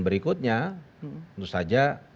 berikutnya tentu saja